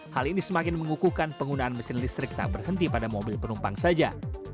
hal ini semakin mengukuhkan penggunaan mesin listrik tak berhenti pada mobil penumpang saja